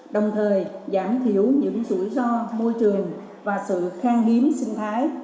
đồng thời giảm thiểu những rủi ro môi trường và sự khang hiếm sinh thái